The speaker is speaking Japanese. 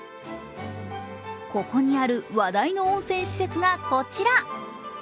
ここにある話題の温泉施設がこちら。